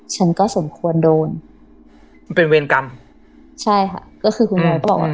ฉันก็สมควรโดนมันเป็นเวรกรรมใช่ค่ะก็คือคุณยายก็บอกว่า